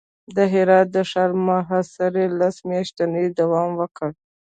د هرات د ښار محاصرې لس میاشتې دوام وکړ.